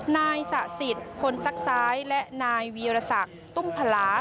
นายสะสิทธิ์พลซักซ้ายและนายวีรศักดิ์ตุ้มพลา